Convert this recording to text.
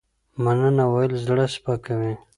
مننه ويل زړه سپکوي